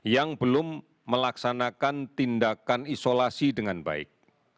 yang belum melaksanakan tindakan isolasi dengan baik